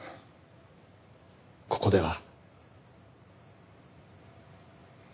ここでは。